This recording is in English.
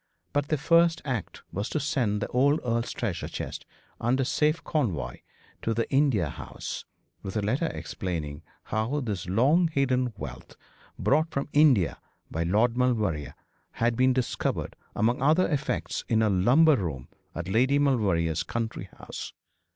But their first act was to send the old earl's treasure chest under safe convoy to the India House, with a letter explaining how this long hidden wealth, brought from India by Lord Maulevrier, had been discovered among other effects in a lumber room at Lady Maulevrier's country house.